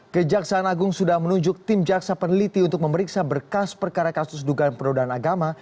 kejaksaan agung sudah menunjuk tim jaksa peneliti untuk memeriksa berkas perkara kasus dugaan penodaan agama